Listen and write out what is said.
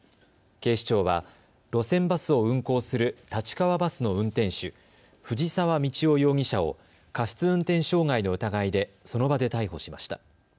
警視庁は路線バスを運行する立川バスの運転手、藤澤道郎容疑者を過失運転傷害の疑いでその場で逮捕しました。